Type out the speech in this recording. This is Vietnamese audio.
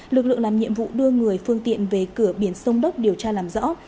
lực lượng làm nhiệm vụ đưa người phương tiện về cửa biển sông đốc điều tra làm rõ